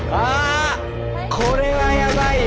これはやばいよ。